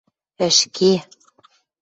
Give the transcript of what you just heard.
Ӹшке!